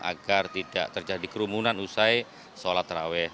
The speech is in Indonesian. agar tidak terjadi kerumunan usai sholat terawih